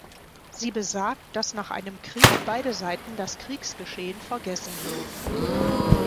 Sie besagt, dass nach einem Krieg beide Seiten das Kriegsgeschehen vergessen würden.